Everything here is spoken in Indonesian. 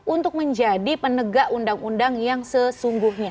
untuk menjadi penegak undang undang yang sesungguhnya